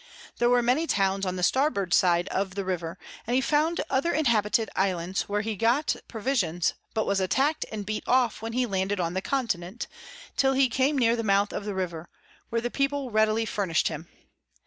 There were many Towns on the Starboard side of the River, and he found other inhabited Islands, where he got Provisions, but was attack'd and beat off when he landed on the Continent, till he came near the mouth of the River, where the People readily furnish'd him.